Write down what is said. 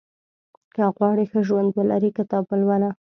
• که غواړې ښه ژوند ولرې، کتاب ولوله.